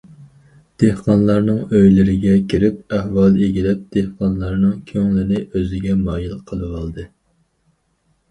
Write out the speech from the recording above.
دېھقانلارنىڭ ئۆيلىرىگە كىرىپ ئەھۋال ئىگىلەپ، دېھقانلارنىڭ كۆڭلىنى ئۆزىگە مايىل قىلىۋالدى.